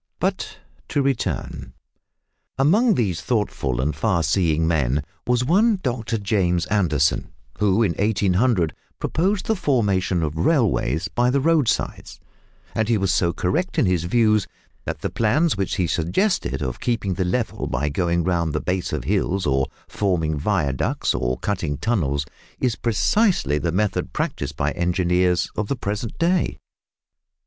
But to return. Among these thoughtful and far seeing men was one Dr James Anderson, who in 1800 proposed the formation of railways by the roadsides, and he was so correct in his views that the plans which he suggested of keeping the level, by going round the base of hills, or forming viaducts, or cutting tunnels, is precisely the method practised by engineers of the present day.